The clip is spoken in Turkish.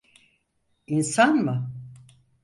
İnsan mı?